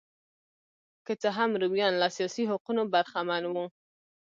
که څه هم رومیان له سیاسي حقونو برخمن وو